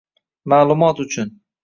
Ma'lumot uchun: